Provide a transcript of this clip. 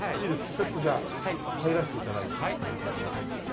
ちょっとじゃあ入らせて頂いて。